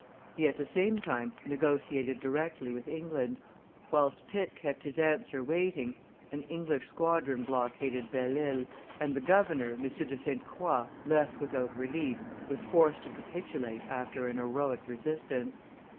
He at the same time negotiated directly with England. Whilst Pitt kept his answer waiting, an English squadron blockaded Belle Isle, and the governor, M. de Sainte Croix, left without relief, was forced to capitulate after an heroic resistance.